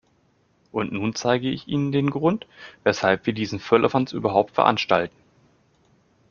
Und nun zeige ich Ihnen den Grund, weshalb wir diesen Firlefanz überhaupt veranstalten.